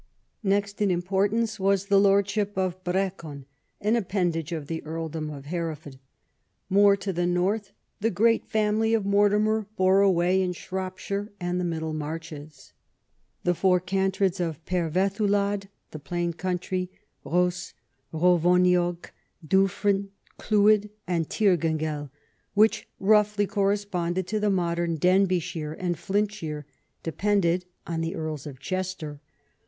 Next in importance was the lordship of Brecon, an appendage to the earldom of Hereford. More to the north the great family of Mortimer bore sway in Shropshire and the Middle Marches. The Four Cantreds of Perveddwlad (the plain country) Ehos, Rhuvoniog, Duflfryn Clwyd, and Tygeingl, which roughly corre sponded to the modern Denbighshire and Flintshire, depended on the Earls of Chester.